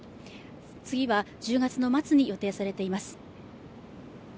次は１０月の末に予定されています。